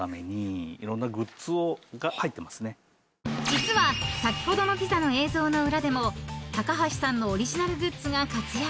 ［実は先ほどのピザの映像の裏でも高橋さんのオリジナルグッズが活躍］